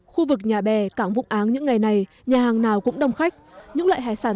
khu vực nhà bè cảng vụ áng những ngày này nhà hàng nào cũng đông khách những loại hải sản